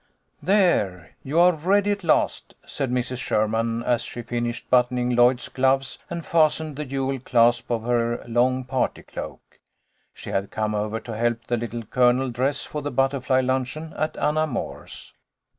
" THERE ! You are ready at last !" said Mrs Sherman, as she finished buttoning Lloyd's gloves, and fastened the jewelled clasp of her long party cloak. She had come over to help the Little Colonel dress for the Butterfly Luncheon at Anna Moore's.